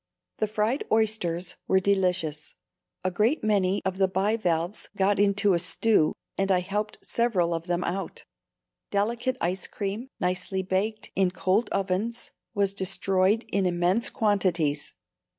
The fried oysters were delicious; a great many of the bivalves got into a stew, and I helped several of them out. Delicate ice cream, nicely "baked in cowld ovens," was destroyed in immense quantities.